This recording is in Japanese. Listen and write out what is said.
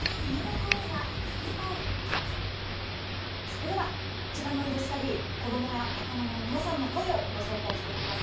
それでは時間の許すかぎり、子どもや若者の皆さんの声をご紹介していきます。